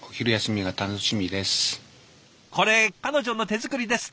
これ彼女の手作りですって。